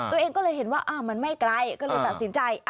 ตัวเองก็เลยเห็นว่ามันไม่ไกลก็เลยตัดสินใจ